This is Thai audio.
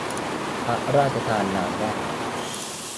พระราชทานนามว่า